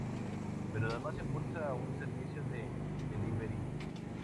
Pero, además, impulsa un servicio de delivery.